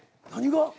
何が？